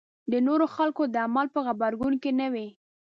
د نورو خلکو د عمل په غبرګون کې نه وي.